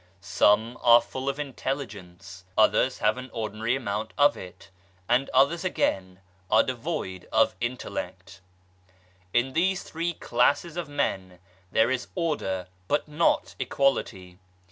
Some are full of intelligence, others have an ordinary amount of it, and others again are devoid of Intellect. In these three classes of men there is order but not equality.